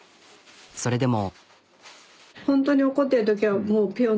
それでも。